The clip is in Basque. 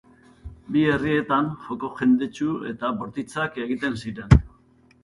Bi herrietan joko jendetsu eta bortitzak egiten ziren.